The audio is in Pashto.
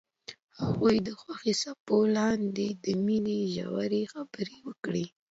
هغوی د خوښ څپو لاندې د مینې ژورې خبرې وکړې.